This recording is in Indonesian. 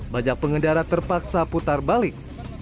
banyak pengendara terpaksa putar balik